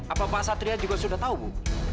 apakah pak satria sudah tahu bu